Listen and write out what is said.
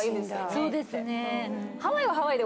そうですね。